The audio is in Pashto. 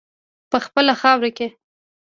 په خپله خاوره کې.